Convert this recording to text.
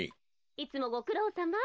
・いつもごくろうさま。